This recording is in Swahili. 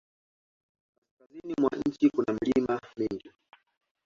Kaskazini mwa nchi kuna milima mingi.